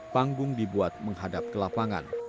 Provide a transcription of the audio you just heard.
panggung dibuat menghadap ke lapangan